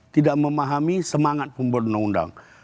tidak memahami semangat pembuat undang undang